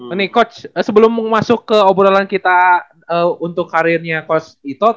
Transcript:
ini coach sebelum masuk ke obrolan kita untuk karirnya coach ito